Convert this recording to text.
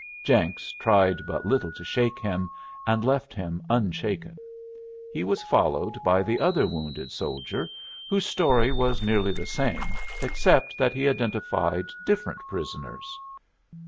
Jenks tried but little to shake him, and left him unshaken. He was followed by the other wounded soldier, whose story was nearly the same, except that he identified different prisoners.